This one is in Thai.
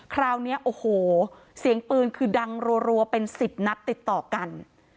คราวนี้โอ้โหเสียงปืนคือดังรัวเป็น๑๐นัดติดต่อกัน